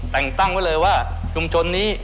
แต่งตั้งไว้เลยว่าชุมชนนี้